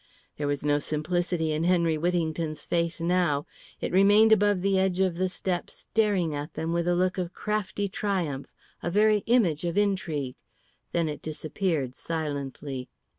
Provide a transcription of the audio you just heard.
There was no simplicity in Henry Whittington's face now. It remained above the edge of the step staring at them with a look of crafty triumph, a very image of intrigue. Then it disappeared silently.